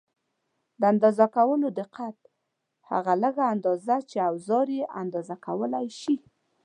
د اندازه کولو دقت: هغه لږه اندازه چې اوزار یې اندازه کولای شي.